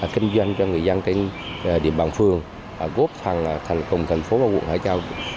kinh doanh cho người dân trên địa bàn phường góp thành công thành phố và quận hải trang